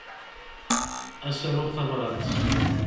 Ad s-aruɣ tabrat.